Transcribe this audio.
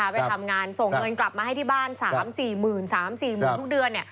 ไปทำงานส่งเงินกลับมาให้ที่บ้าน๓๔๓๔๐๐๐ทุกเดือน